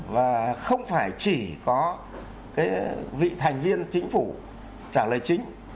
và không phải chỉ có cái vị thành viên chính phủ trả lời chính